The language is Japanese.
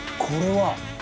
これは！